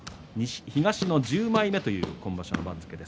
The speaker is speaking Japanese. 東の１０枚目という今場所の番付。